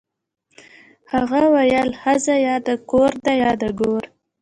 هغه ویل ښځه یا د کور ده یا د ګور